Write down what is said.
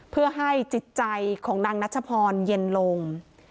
เพื่อให้จิตใจของนางนัชพรเย็นลง